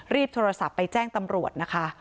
รีบโทรศัพท์ไปแจ้งตำรวจนะคะ